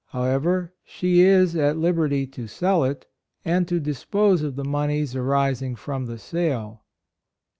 However, she is at liberty to sell it, and to dispose of the moneys arising from the sale.